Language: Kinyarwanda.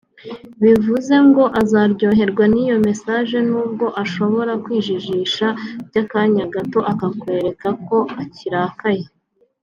Bivuze ngo azaryoherwa n’iyo massage n’ubwo ashobora kwijijisha by’akanya gato akakwereka ko akirakaye